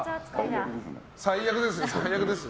最悪ですね。